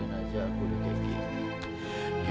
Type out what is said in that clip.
belum kawin aja aku udah kayak gini